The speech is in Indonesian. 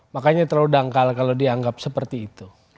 makanya terlalu dangkal kalau dianggap seperti itu